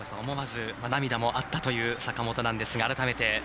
思わず涙もあったという坂本ですが、改めて。